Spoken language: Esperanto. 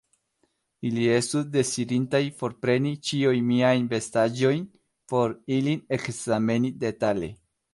Ili estus dezirintaj forpreni ĉiujn miajn vestaĵojn, por ilin ekzameni detale.